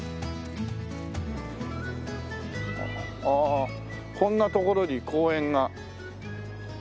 ああこんな所に公園が。